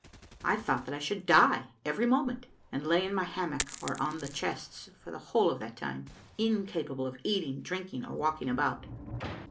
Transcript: I thought that I should die every moment, and lay in my hammock or on the chests for the whole of that time, incapable of eating, drinking, or walking about.